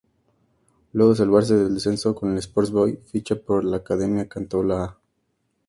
Luego de salvarse del descenso con el Sport Boys ficha por la Academia Cantolao.